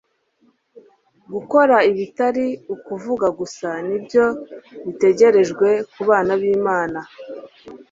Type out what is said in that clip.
Gukora bitari ukuvuga gusa ni byo bitegerejwe ku bana b'Imana.